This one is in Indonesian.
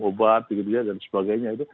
obat dan sebagainya